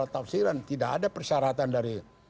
tidak ada persyaratan dari